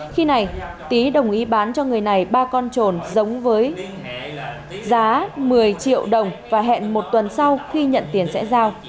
khi này tý đồng ý bán cho người này ba con trồn giống với giá một mươi triệu đồng và hẹn một tuần sau khi nhận tiền sẽ giao